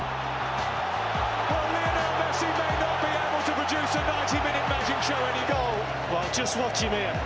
lionel messi tidak bisa menunjukkan gol di sembilan puluh menit